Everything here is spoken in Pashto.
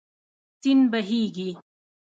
سیند بهېږي.